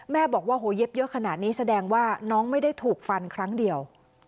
บอกว่าโหเย็บเยอะขนาดนี้แสดงว่าน้องไม่ได้ถูกฟันครั้งเดียว